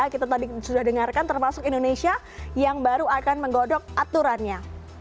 kita tadi sudah dengarkan termasuk indonesia yang baru akan menggodok aturannya